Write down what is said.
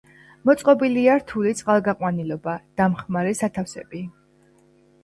მოწყობილია რთული წყალგაყვანილობა, დამხმარე სათავსები.